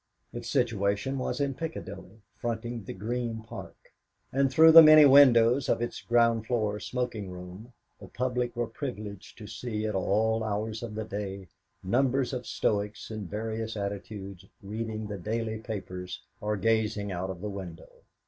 Its situation was in Piccadilly, fronting the Green Park, and through the many windows of its ground floor smoking room the public were privileged to see at all hours of the day numbers of Stoics in various attitudes reading the daily papers or gazing out of the window.